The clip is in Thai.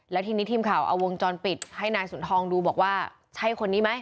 แล้วทีนี้ทีมข่าวเอาวงจรปิดให้นายสุนทองดูบอกว่าใช่คนนี้ไหม